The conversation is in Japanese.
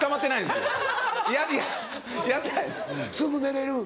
すぐ寝れる？